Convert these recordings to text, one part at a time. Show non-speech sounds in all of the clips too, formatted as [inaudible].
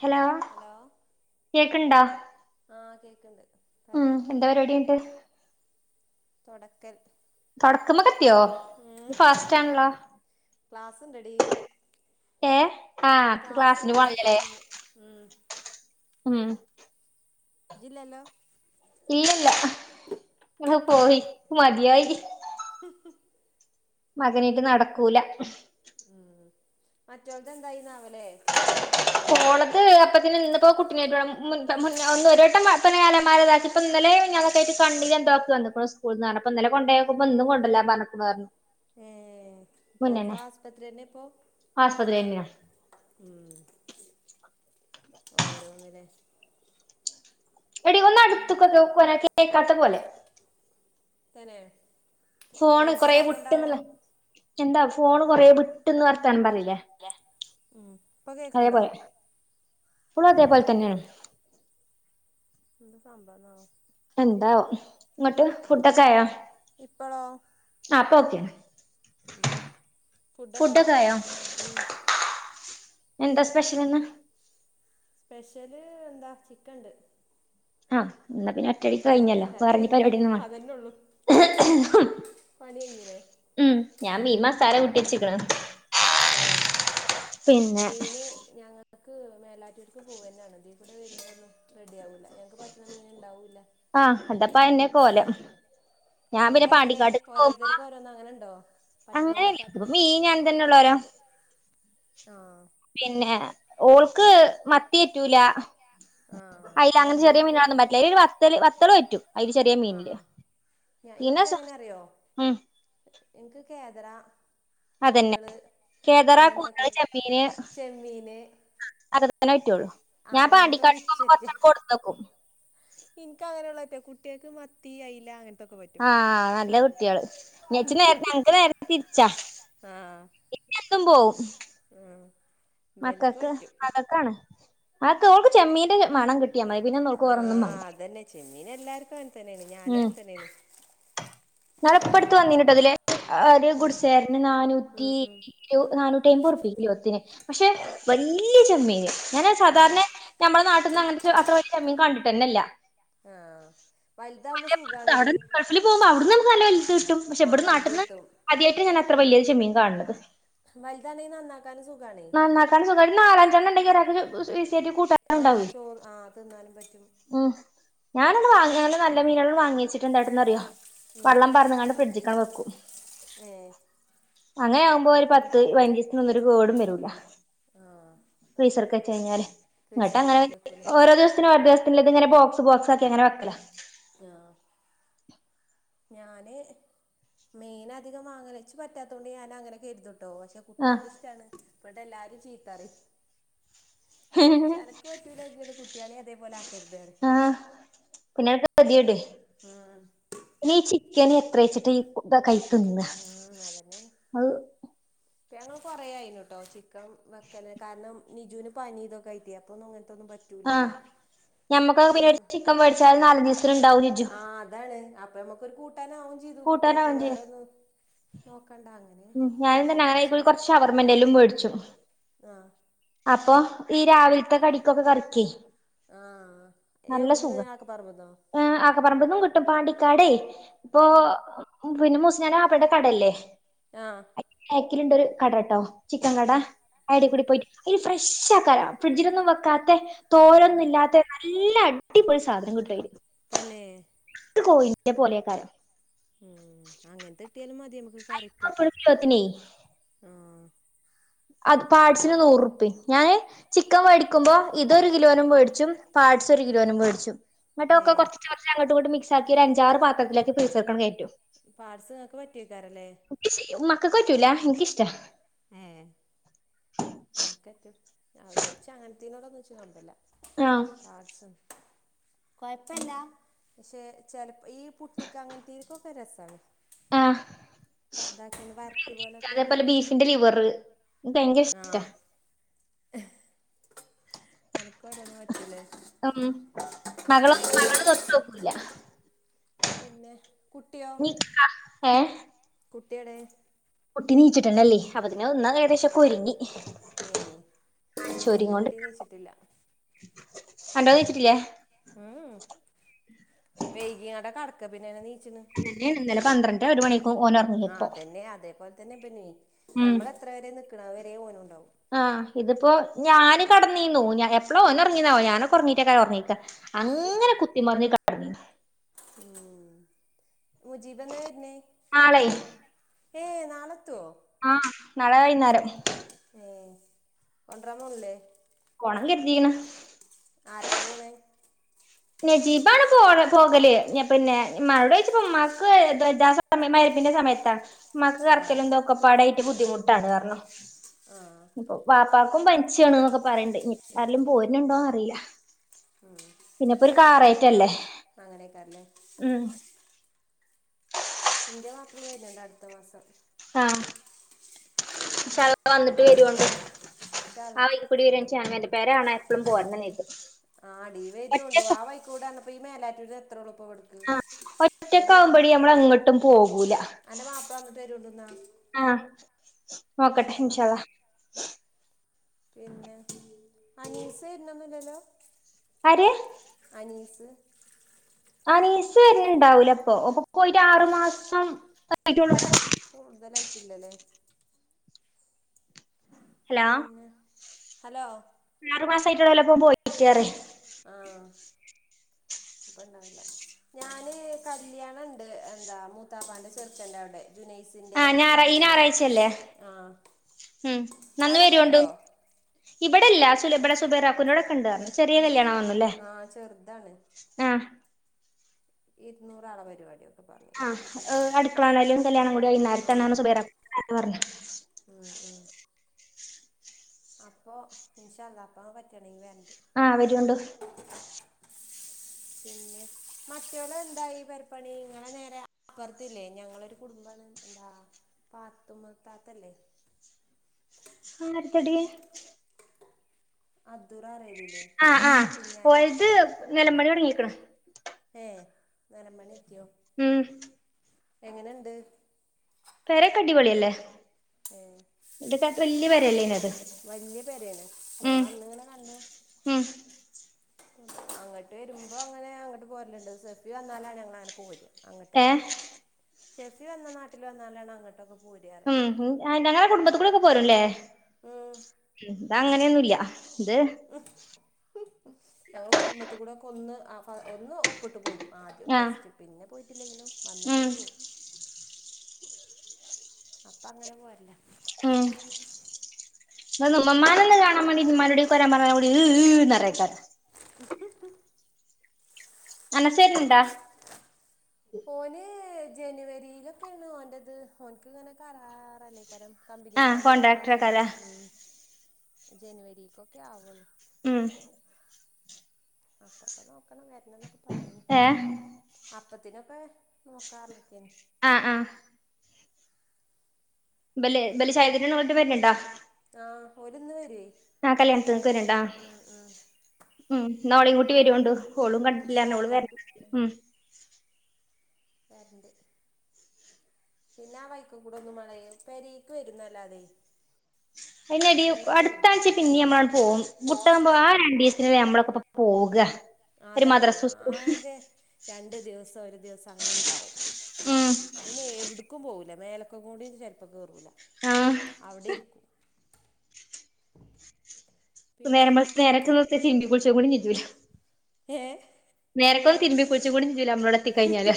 Hello കേക്ക്ണ്ടാ ആഹ് കേക്ണ്ട് പറ എന്താ പരിപാടി ന്ട്ട്. തുടക്കൽ. തൊടക്ക്മ്മക്കെത്തിയോ ഏ ഇജ് ഫാസ്റ്റാണല്ലോ ക്ലാസ്ണ്ടടി. ഏ ആഹ് ക്ലാസ്സിന് ക്ലാസ്ണ്ട് പോണന്നില്ലാല്ലേ ക്ലാസ്ണ്ട് ഇന്ന് ഉം ഉം. ജില്ലല്ലോ ഇല്ലല്ല ഹ് പോയി മതിയായി. [inaudible] മകനേട്ട് നടക്കൂല. ഉം മറ്റോള്ത് എന്തായിന്നാവലേ. ഓളത് അപ്പത്തിന് ഇന്നപ്പോ കുട്ടി നേട്ട് ഒന്ന് ഒരുവട്ടംപ്പന കാലമാരെതാക്കി. ഇപ്പന്നലെ മിഞ്ഞാനൊക്കയിട്ട് കണ്ണിലെന്തോ വന്ന്ക്കുണു സ്കൂളന്ന് അപ്പന്നലെ കൊണ്ടോയ്ക്കുമ്പോ ഇന്ന് കൊണ്ടല്ലാം പറഞ്ഞുക്കുണു പറഞ്. ഏ പോൽക്ക ആസ്പത്രിന്നെ ഇപ്പോ ആ ആസ്പത്രിഅന്നെയാ. ഉം ഓരോന്ലേ. എടി പിന്നെ ഒന്നടുത്ക് ഒരാക്ക് കേൾക്കാത്ത പോലെ. തന്നെ. ഫോണ് കൊറ റേഞ്ചില്ലാത്തോണ്ടാവോ വിട്ടന്ള്ളെ എന്താ ഫോണ് കൊറേവിട്ട്ന്ന് വർത്താനം പറില്ലേ. ഉം ഇപ്പൊ കേക്ക്ണ്ടോ. പ്പളും അതേപോൽതന്നെണ്. എന്ത സംബവന്നാവോ. എന്താവോ ന്ന്ട്ട് ഫുഡൊക്കെ ആയോ ഇപ്പളോ. അത് ഓക്കെണ് ഫുഡൊക്കായി ഫുഡൊക്കെ ആയോ ഉം എന്താ സ്പെഷ്യൽന്ന്. സ്പെഷ്യല് എന്താ ചിക്കൻണ്ട്. ആഹ് എന്നാ പിന്നെ ഹ് അതന്നെ കഴിഞ്ഞല്ലോ അത് വേറെഞ്ഞി കഴിഞ്ഞു പരിപാടിയൊന്നും അതന്നെ ഉള്ളു പണി കഴിഞ്ഞില്ലേ ഉം ഞാൻ മീൻ മസാല കൂട്ടിവെച്ചേക്കാന്. ഏ മീന് ഞാങ്ങ ഞക്ക് മേലാറ്റുര്ക്ക് പോവന്നെവേണം. ഇതീ കൂടെ വരുമ്പോന്നും റെഡി ആവൂല്ല. ഞങ്ങക്ക് പറ്റണ മീനണ്ടാവുല്ല ആഹ് അതപ്പ അന്നെ കോലം. ഞാൻ പിന്നെ നിങ്ങൾക്ക് എങ്ങനെ പാണ്ടിക്കാട്ടക്ക് പോകുമ്പോ ഓരോരുത്തർക്കും ഓരോന്ന് അങ്ങനെണ്ടോ പറ്റണും അങ്ങനെയല്ല പറ്റാത്തും ഇ മീ ഞാൻ [unintelligible] [inaudible] ആഹ് പിന്നെ ഓൾക്ക് മത്തിട്ടുല ആഹ് അയല എന്നാ അങ്ങനെ ചെറിയ ഇബൽക്ക് മീനാണൊന്നും പറ്റില്ല. ഇ ഒരു വത്തല് വത്തൾ പറ്റും അതില് ചെറിയ മീനില് ആഹ് ഞാ ഇൻക്ക് പിന്നെ എങ്ങനെ അറിയോ ഉം ഇൻക്ക് കെദാറ അതന്നെ കൂന്തള് കേദറ അങ്ങനത്തെക്ക ചെമ്മീന് അക തന്നെ പറ്റുവുള്ളൂ ആഹ് ഞാൻ പാണ്ടിക്കാട് പോക്പോ കൊറച്ച് കൊടുന്ന് വെക്കും. ഇൻക്ക് അങ്ങനെയുള്ളറ്റ. കുട്ടികൾക്ക് മത്തി അയല അങ്ങനെ ആഹ നല്ല കുട്ടികള് [unintelligible] ഞങ്ങക്ക് നേര തിരിച്ചാ ആഹ് ഇത്തി എന്തും പോകും. ആഹ് ഇബൽക്ക് മക്കക്ക് പറ്റും മകൾക്കാണ് അതക്കെ ഓൾക്ക് ചെമ്മീന്റെ മണം കിട്ടിയാ മതി. പിന്നെന്നവൾക്ക് വേറൊന്നും ആഹ് വേണ്ട അതന്നെ ചെമ്മീൻ എല്ലാർക്കും അങ്ങനെ തന്നേണ് ഞാനും അങ്ങനെ തന്നേണ്. ഞാനിപ്പോ അടുത്തു വന്നിനേനുട്ടോ അതിലേ ആഹ് അത് ഉം കുടിശികേർന്നു നാനൂറ്റി ഉം ഉം ഒരു നാനൂറ്റി ഐമ്പത് റുപ്യ കിലോത്തിന്. പക്ഷെ വല്യ ചെമ്മീൻ. ഞാന് ഏയ് സാധാരണ ഞമ്മടെ നാട്ടിന്ന് അങ്ങനത്തെ അത്ര വല്യ ചെമ്മീൻ കണ്ടിട്ടന്നെയില്ല ആഹ് വലുതാവുമ്പോ പുറത്ത് സുഖാണടി. അവിടെ ഗൾഫിൽ പോകുമ്പോ അവിടുന്ന് നല്ല നമുക്ക് വലുത് കിട്ടും. പക്ഷെ ആഹ് ഇവിടേ വലുത് നാട്ടിന്ന് കിട്ടും ആദ്യായിട്ടാ ഞാൻ അത്ര വല്യ ചെമ്മീൻ കാണണത്. വലുതാണേ നന്നാക്കാനും സുഖാണേ നന്നാക്കാനും സുഖാണ്. നാലഞ്ചെണ്ണം ഉണ്ടെങ്കി ഒരാൾക്കു ശെ ശെ ശെരിക്കും കൂട്ടാൻ ആഹ് ചോർ അഹ് തിന്നാനും പറ്റും ഉം ഞാനന്ന് വാങ്ങ്യന്ന് നല്ല മീനാന്ന് വാങ്ങി വച്ചിട്ടുണ്ടായിരുന്ന് അറിയോ ബാറന്നങ്ങാണ്ട് ഫ്രിഡ്ജിക്കങ്ങട് വെക്കും. ഏഹ് അങ്ങനെയാവുമ്പോ ഒരു അപ്പൊ പി പത്ത് പൈനഞ്ച് ഒന്നൊരു കേടും വെരൂല്ല ആഹ് ഫ്രീസർക്കു വെച്ചു കഴിഞ്ഞാല്, എന്ന്ട്ടങ്ങനെ ഫ്രീസറിലാക്കി വെക്കൂലേ ഓരോ ദിവസത്തിനു ഓരോദി നുള്ളത് ഇങ്ങനെ ബോക്സ് ബോക്സ് ആക്കി അങ്ങനെ വെക്കല. ആഹ് ഞാനേ മീനധികം വാങ്ങ നെച്ച് പറ്റാത്ത കൊണ്ട് ഞാൻ അങ്ങനൊക്കെ കെരുതൂട്ടോ, പച്ചെ ആഹ് കുട്ടികക്കിഷ്ടാണ് ഇവിടെ എല്ലാരും ചീത്തറയും. ച്ച് അനക്ക് പറ്റൂല എങ്കിൽ കുട്ടികളെ അതേപോലെ ആക്കരുത് പറയും. ആഹ് [unintelligible] ആഹ് ഇനി ഈ ചിക്കന് എത്ര വെച്ചിട്ട ഈ കഴിക്ക് തിന്ന്കാ ഉം അതന്നെയാണ് അവ് ഇപ്പ ഞങ്ങൾ കൊറേ ആയിന്ട്ടോ ചിക്കൻ വെക്കല് കാരണം നിജുന് പനി ഇതൊക്കെ ആയിട്ടെ അപ്പൊന്നും അങ്ങനത്തെന്നും പ ആഹ് റ്റൂല്ലല്ലോ. അപ്പോ ഞമ്മക്കൊക്കെ പിന്നെ, ഒരു ചിക്കൻ മേടിച്ചാൽ നാലഞ്ച് ദിവസത്തിന് ഉണ്ടാവും ജിജു ആഹ് അതാണ് ആ പ്പ നമ്മക്കൊരു കൂട്ടാൻ ആവും ചെയ്തു. കൂട്ടാനാ കുട്ടികക്ക് വേണ്ടിയെ വേറൊന്നും നോക്കണ്ടാ അങ്ങനെ. ഉം കരുതും ഞാനിന്ന് [unintelligible] പക്ഷെ പോയി കൊറച്ച് ഷവർമെന്തെല്ലും മേടിച്ചു. ആഹ് അപ്പൊ ഈ രാവിലത്തെ കടിക്കൊക്കെ കറക്കി ആഹ് എവിടുന്ന് ആക്കെപ്പറമ്പന്നോ? എഹ് ആക്കെപ്പറമ്പന്നും കിട്ടും പാണ്ടിക്കാടേ ഇപ്പൊ ഉം പിന്നെ മൂസ്നാനെ വാപ്പേടെ കടയില്ലേ ആഹ് ബാക്കിലുണ്ട് ഒരു കടട്ടോ, ചിക്കൻ കട ഉം അയിടെ ഉം കൂടി പോയിട്ട്. അ ഫ്രഷ് ആക്കരാ ഫ്രിഡ്ജിലൊന്നും വെക്കാത്തെ, തോലൊന്നും ആഹ് ഇല്ലാത്തെ. നല്ല അടിപൊളി സാധനം കിട്ടുവയില്. തന്നെ ഇത് കോയിന്റെ പോലേയക്കാലോ ഉം അങ്ങനത്തെട്ടിയാലും മതി നമ്മക്ക് കറിക്കോക്കെ, കിലോത്തിനേ ആഹ് അത് പാട്സിന് നൂറ് റുപ്പി ഞാന് ചിക്കൻ മേടിക്കുമ്പോ ഇതൊരു കിലോനും മേടിച്ചും പാട്സ് ഒരു കിലോനും മേടിച്ചും ഏ എന്നട്ടൊക്കെ കൊറച്ച് കൊറച്ച് അങ്ങോട്ടും ഇങ്ങോട്ടും മിക്സ് ആക്കി ഒരു അഞ്ചാറ് പാത്രത്തിലാക്കി ഫ്രീസറക്കങ്ങ് കേറ്റും. പാട്‌സ് ഒക്കെ വറ്റി വെക്കാറില്ലേ. ശ്ശി മക്കക്ക് പറ്റൂല്ല. എനിക്ക് ഇഷ്ടാ ഏഹ് നെനക്കറ്റോ ഞാൻ വിചാരിച്ചു അങ്ങനത്തീനോടൊന്നും [unintelligible] ആഹ് പാഡ്സാൺ കൊഴപ്പല്ല പക്ഷെ, ചെലപ്പ ഈ പുട്ട്ക്ക് അങ്ങെൻത്തീക്കൊക്കെ രസാണ്. ആഹ് ക്ക ഇതാക്കിയാണ്ട് വരട്ട് പോലൊക്കെ അതേപോലെ ആക്കിയാലൊക്കെ ബീഫിന്റെ ലിവർ എനിക്ക് ഭയങ്കര ഇഷ്ടാ ആഹ് ഏഹ് അനക്ക് ഓരോന്ന് പറ്റുല്ലേ? തം മകള് ഒന് മകള് തൊട്ടൊക്കൂല പിന്നെ [inaudible] ഏഹ് കുട്ടി ഏടെ? പൊട്ടി നീച്ചിട്ടണ്ടല്ലേ, അപ്പത്തന്നെ ഒന്നു അങ്ങ് ഏകദേശക്കെ ഒരുങ്ങി ഏഹ് ഇന്റുട്ടി നീച്ചിട്ടില്ല. അന്റോ നീച്ച്ട്ടില്ലേ? ഹ് ഈഹ് വൈകിയാണ്ട കടക്ക് പിന്നെ എങ്ങനെ നീച്ച്ണ്. ഇന്നലെ ആണ്. ഇന്നലെ പന്ത്രണ്ടെ ഒര് മണിക്കും ഓന് ഒർ ആ അതന്നെ അതേപോല തന്നെ ഇ ബന് ഉം നമ്മള് എത്ര വരെ നിക്ക്ണെ അഹ് വരെ ഓനു ഇണ്ടാവും. ആഹ് ഇതിപ്പോ ഞാന് കടന്നീന്നു. ഞാ എപ്പള ഓന് ഒറങ്ങീന്നാവോ? ഞാനൊക്കൊറങ്ങീട്ടേക്കാര ഒർങ്ങീക്ക. അങ്ങനെ കുത്തിമർഞ്ഞ് കട്ന്നിന് ഉം മുജീബ് എന്നാ വെര്നെ? നാളെ ഏഹ് നാളത്തോ? ആഹ് നാളെ വൈന്നേരം. ഏഹ് കൊണ്ടരാം പോണ്ല്ലേ? പോണം കര്തീക്ക്ണ്. ആരൊക്കെ പോണെ? നെജീബാണ് പോ പോകല് ഞ പിന്നെ ഇമ്മാനോടോയ്ച്ചപ്പ ഇമ്മാക്ക് വെജ്ജ ശ്വാ [unintelligible] മെര്ന്നിന്റെ സമയത്താ. ഇമ്മാക്ക് ആ കറക്കലുംതൊക്കപ്പാടായിറ്റ് ബുദ്ധിമുട്ടാണ് കാരണം, ആഹ് ഇപ്പൊ വാപ്പാക്കും പൻച്ച് ആണ്ന്നൊക്കെ പറയിണ്ട് ഇനി ആരേലും പോര്ന്ണ്ടോ അറീല. ഉം പിന്നെപ്പൊര് ഒരു കാറായിട്ടെല്ലേ അങ്ങനെയൊക്കെയല്ലേ ഉം ഇന്റെ മാപ്ലയിം വര്ന്ണ്ട് അട്ത്ത മാസം. ആഹ് ഇൻശാ അള്ളാഹ് വന്നിട്ട് വരുവോണ്ടി ഇൻഷാ അല്ലാ ആഹ് അയി കൂടെ വെര്ൺച്ച [unintelligible] പെര കാണാൻ എപ്പളും പോരണന്നെര്തും. ആഹ് ടി വര്യോണ്ട് വാ വൈക്കൂട അന്നപ്പോ ഈ മേലാറ്റൂര്ന്ന് എത്രോളപ്പോട് ആഹ് ഒറ്റക്കാവുമ്പെടി നമ്മളെങ്ങട്ടും പോകൂല. എൻ്റെ മാപ്പിള വന്നിട്ട് വരുന്നുണ്ടെന്നാ ആഹ് നോക്കട്ടെ ഇൻഷാ ഇൻശാഅള്ളാഹ്‌ അള്ളാ പിന്നെ അനീസ് വെര്ണെന്നുല്ലല്ലോ? ആര്? അനീസ് ആനീസ് വെര്ണ് ണ്ടാവൂല ഇപ്പൊ ഓൻ ഇപ്പ പോയിട്ട് ആറ് മാസം ആയിട്ടുള്ളൂ ആഹ് കൂടുതലായിട്ടില്ലല്ലേ ഹലോ പിന്നെ, ഹലോ ആറു മാസായിട്ടള്ളൊല്ലോ അപ്പ ഓൻ പോയിറ്റെറി. ആഹ് അപ്പ ഇണ്ടാവുല. ഞാന് കല്ല്യാണം ഇണ്ട് എന്താ മൂത്താപ്പാന്റെ ചെറ്ക്കന്റെ അവിടെ ജുനൈസിന്റെ ആഹ് ഞാൻ ഞായറാ ഈ പർഞ്ഞില്ലേ ഞായറാഴ്ചയല്ലേ ആഹ് അവിടക്കെ ഇണ്ടോ? ഇബെടെല്ല. സുലഭടെ സുബൈറാ പ്പൂന്റെടെക്കെ ഇണ്ട്ർഞ്ഞു. ചെറിയ കല്ല്യാണ തോന്നുല്ലേ? ആ ചെറുതാണ് ആഹ് ഇരുന്നൂറാളെ പരിപാടിയോ? ആഹ് ഇഹ് അട്ക്കള കാണലും കല്ല്യാണം കൂടി വൈന്നേര്ത്താണ് സുബൈറാപ്പൂന്റെ ഓല് പറഞ്ഞു. ആഹ് ആഹ് അപ്പൊ ഇൻഷാ അല്ല അപ്പ പറ്റവാണെങ്കിൽ വരണ്ട ആഹ് വരുണ്ട് പിന്നെ മറ്റേളം എന്താ ഈ പൊരപ്പണി ഇങ്ങളെ നേരെ അപ്പുറത്തില്ലേ ഞങ്ങളൊരു കുടുംബാണ് എന്താ പാത്തുമ്മത്താത്തല്ലേ ആഹ് [unintelligible] അധൂററേവി ആഹ് ആഹ് ഓലത് നില പണി തുടങ്ങിക്കണു ഏഹ് നിലപണി എത്തിയോ ഉം എങ്ങനെണ്ട് പെരകടിപൊളി അല്ലെ പെരയല്ലേനോ അത് വലിയ പേരാണ് ഞങ്ങ ഉം അന്നങ്ങനെ കണ്ടു ഉം അങ്ങോട്ട് വരുമ്പോ അങ്ങനെ അങ്ങോട്ട് പോരലുണ്ട് സെഫി വന്നാലാണ് ഞങ്ങ അങ്ങനെ പോര് അങ്ങോട്ടേക്ക് ഏഹ് ഷെഫി വന്ന നാട്ടിൽ വന്നാലാണ് അങ്ങോട്ടൊക്കെ പോരാറ് ഉം ഹ് ആഹ് ഞങ്ങളുടെ കുടുംബത്തി കൂടെക്കെ പോരുംല്ലേ ഉം ഇതങ്ങനെയൊന്നുംല്ല ഇത് ഞങ്ങളുടെ കുടുംബത്തിൽ കൂടെയൊക്കെ ഒന്ന് ആഹ് ഒന്ന് ഒപ്പിട്ട് പോരും ആദ്യം ആഹ് ഫസ്റ്റ് പിന്നെ പോയിട്ടില്ലെങ്കിലും ഉം വന്നിട്ടൊന്ന് പോകും അപ്പൊ അങ്ങനെ പോരല്ലാ ഉം ആഹ് പിന്നെ ഉമ്മമാന കാ [unintelligible] [unintelligible] ആന ശരി ഇണ്ടാ ഓന് ജനുവരിയിലൊക്കെയാണ് ഓൻന്റെത് ഓനക്ക് ഇങ്ങനെ കരാറല്ലേ അക്കരം കമ്പനിന്ന് ആഹ് ആകുമ്പോൾ രണ്ട് വർഷം അങ്ങനെ കോൺട്രാക്ടറേക്കാരം ഉം ജനുവരിക്ക്ക്കെ ആവുള്ളൂ ഉം അപ്പക്കെ നോക്കണ വരണന്നൊക്കെ പറഞ്ഞിന് ഏഹ് അപ്പത്തിനൊക്കെ നോക്കാറക്കേ ആഹ് ആഹ് ബല പിന്നെ [unintelligible] പേരുണ്ടാ [unintelligible] ആഹ് ഓലിന്ന് വര്യേ ആഹ് കല്യാണത്തിങ്ങക്ക് വരുണ്ടോ ഉം ന്നാ ഒളീം കൂട്ടി വരോണ്ടു ഹൊളും കണ്ടിട്ടില്ല ഇൻഷാ അല്ലാഹ് [unintelligible] കരറ്റ് പിന്നെ ആഹ് വൈക്കകൂടെ ഒന്നും മളെ പേരിക് വരുന്നല്ലാതെ അയിനെടി പിന്നെ പോവല്ല അടുത്തഴ്ച പിന്നിം നമ്മളങ്ങു പോകും വുട്ടാവുമ്പോ ആഹ് രണ്ടീസം [unintelligible] നമ്മളൊക്കെ പോക്ക ആഹ് അതാണേ ആകെ രണ്ടു ദിവസം ഒരു ദിവസം അങ്ങനെ ഇണ്ടാവും ഉം അയിന് എവിടുക്കും പോവൂല്ല മേലകുംകൂടി ചെലപ്പോ കേറൂല ആഹ് അവിടെ ഇരിക്കും നേരം പിന്നെന്താ വെള്ത്ത് നേരത്തെിന് തിരിമ്പി കുളിച്ചും കൂടിചെയ്യൂല്ല. ഏഹ് നേരം വെള്ത്ത് തിരുമ്പി കുള്ച്ചും കൂടി ചെയ്യൂല്ല നമ്മള് വിടെ എത്തിക്കഴിഞ്ഞാല്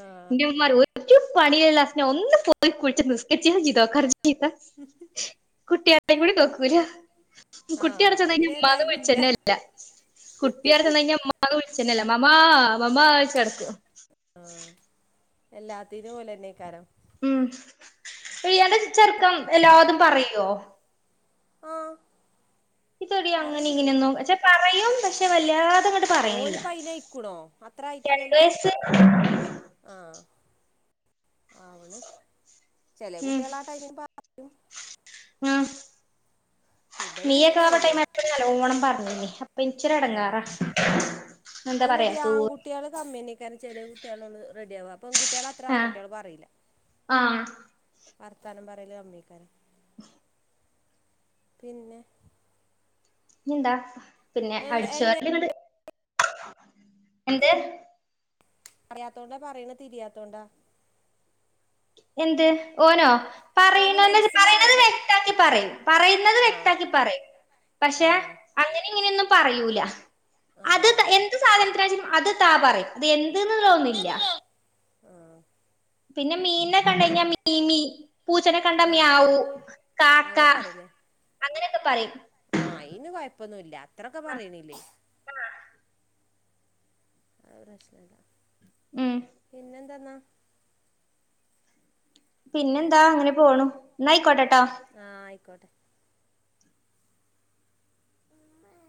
ആ ഇന്റെ ഉമ്മറയും ഒരു ഒരൂ പണില്ലാ ഒന്ന് പോയി കുള്ച്ച് നിസ്കരിചെങ്കിലും ചെയ്തോക്ക ചീത്ത [unintelligible] [unintelligible] നോക്കൂല്ല ആ കുട്ടി അവ്ടെ അത് ചെന്നായ്ഞ്ഞാല് പിന്നെ ഉമ്മാന്നു ഏതായാലും ഇല്ല വിള്ച്ചന്നെല്ല കുട്ടി അവ്ടെ ചെന്നയ്ഞ്ഞ മ്മ മ്മാന്ന് വുള് ചെന്നെല്ല മാമ മാമ്മ വു വിള്ച്ചടക്കും ആഹ് എല്ലാത്തിനും ഓലെന്നെ ആക്കാരം ഉം എടി അന്റെ ചെറുക്കം എല്ലാതും പറയോ ആഹ് ഇത് ഡീ അങ്ങനെ ഇങ്ങനെയൊന്നും പെചെ പറയും പക്ഷെ വല്ലാതെങ്ങട്ട് പറയില്ല ഓനിപ്പ അയിനയിക്കണോ അത്ര രണ്ട് വയസ്സ് ആഹ് ആവ്ണ് ചെല ഉം കുട്യാള് ആഹ് ടൈമിന് പറ ഉം ഇബന് നിയൊക്കെ ആഹ് മൂന്നായില്ലേ ടൈമില് എപ്പഴും നല്ലോണം പറഞ്ഞീനി അപ്പൊച്ച് ആ രടെങ്ങേറാ എന്താ പറയാ തൂ കുട്യാള് കമ്മിന്നേക്കാരം ചെല കുട്യാ ള്ളൊ ള്ളൂ റെഡിയാവ പെൺകുട്ട്യാളത്ര ആഹ് ആൺകുട്യാള് പറീല്ല ആഹ് വർത്താനം പറയല് കമ്മേക്കാരം പിന്നെ എന്താ പിന്നെ എല്ല എങ്ങനെ അടിചേരല്ങ്ങട്ട് എന്ത് പറയത്തോണ്ടാ പറയണ തിരിയാത്തോണ്ടാ എന്ത് ഓനോ ഓന് പറയ്ണത് പറയ്ണത് മനസ്സിലാവായിറ്റാ വ്യക്താക്കി പറയും പറയുന്നത് ആഹ് വ്യക്താക്കി പറയും പക്ഷെ ആഹ് അങ്ങനിം ഇങ്ങനെന്നും പറയൂല അത് ആഹ് എന്ത് സാധനത്തിനായാലും അത് താ പറയും അത് എന്ത് എന്നുള്ള ഒന്നുല്ല ആഹ് പിന്നെ മീനിനെ കണ്ടയിഞാല് മീമീ പൂച്ചനെ കണ്ടാ ആഹ് മ്യാവു കാക്ക അങ്ങനെ പറയില്ലേ അങ്ങനൊക്കെ പറയും ആഹ് അയിന് കൊഴപ്പൊന്നുല്ല അത്രൊക്കെ പറയണില്ലേ ആ ആഹ് പ്രശ്നല്ല ഉം പിന്നെ എന്താന്നാ പിന്നെന്താ അങ്ങനെ പോണു ഇന്നാ ആയ്ക്കോട്ടെട്ടോ ആഹ് ആയിക്കോട്ടെ [inaudible]